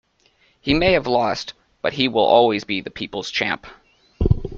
He may have lost, but he will always be the people's champ.